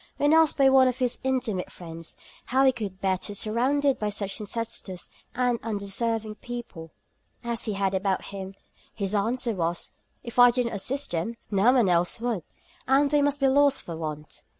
When asked by one of his most intimate friends, how he could bear to be surrounded by such necessitous and undeserving people as he had about him, his answer was, "If I did not assist them, no one else would, and they must be lost for want."'